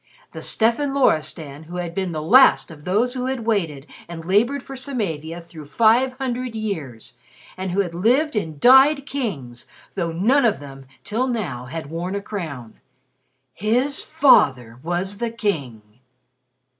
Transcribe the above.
the "Stefan Loristan" who had been the last of those who had waited and labored for Samavia through five hundred years, and who had lived and died kings, though none of them till now had worn a crown! His father was the King!